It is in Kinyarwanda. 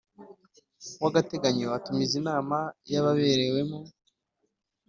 W agateganyo atumiza inama y ababerewemo